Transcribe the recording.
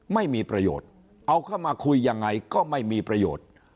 ไม่มีประโยชน์เอาเข้ามาคุยยังไงก็ไม่มีประโยชน์